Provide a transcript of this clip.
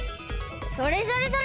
それそれそれ！